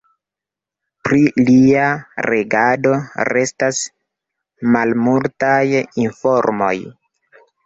Pri lia regado restas malmultaj informoj.